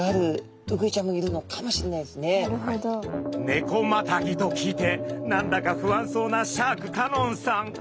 ネコマタギと聞いてなんだか不安そうなシャーク香音さん。